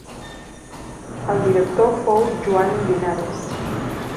El director fou Joan Linares.